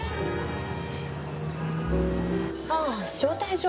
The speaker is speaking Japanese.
ああ招待状。